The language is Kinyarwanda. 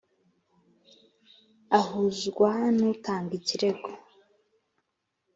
ahuzuzwa n utanga ikirego